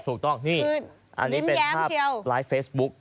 ถูกต้องนี่อันนี้เป็นภาพไลฟ์เฟซบุ๊ก